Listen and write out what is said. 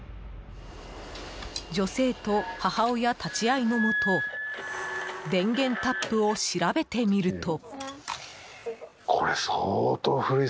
女性と母親立ち会いのもと電源タップを調べてみると。